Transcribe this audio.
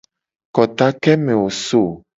Kota ke me wo so ?